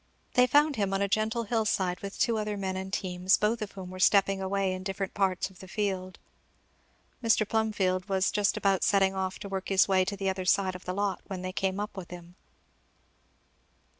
They found him on a gentle side hill, with two other men and teams, both of whom were stepping away in different parts of the field. Mr. Plumfield was just about setting off to work his way to the other side of the lot when they came up with him.